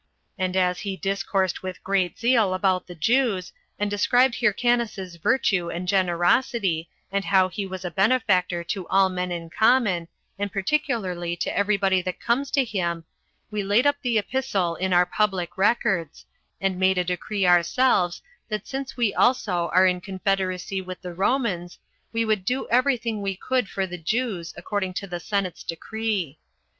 And as he discoursed with great zeal about the Jews, and described Hyrcanus's virtue and generosity, and how he was a benefactor to all men in common, and particularly to every body that comes to him, we laid up the epistle in our public records; and made a decree ourselves, that since we also are in confederacy with the Romans, we would do every thing we could for the Jews, according to the senate's decree.